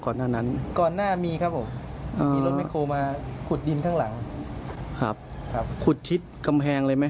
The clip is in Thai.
ก่อนหน้านั้นมีครับผมมีรถแม่โครมมาขุดดินข้างหลังครับขุดทิศกำแพงเลยไหม